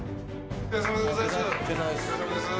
お疲れさまです。